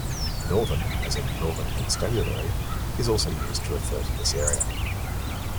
"Northern", as in "Northern Constabulary", is also used to refer to this area.